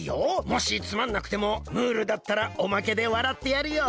もしつまんなくてもムールだったらおまけでわらってやるよ。